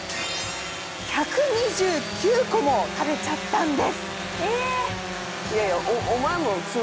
１２９個も食べちゃったんです！